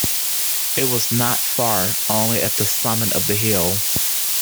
It was not far, only at the summit of the hill.